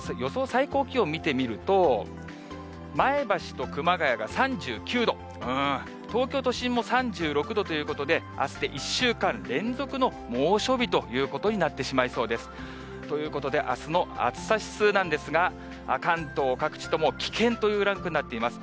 最高気温見てみると、前橋と熊谷が３９度、東京都心も３６度ということで、あすで１週間連続の猛暑日ということになってしまいそうです。ということで、あすの暑さ指数なんですが、関東各地とも危険というランクになっています。